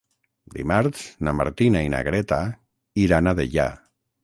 Dimarts na Martina i na Greta iran a Deià.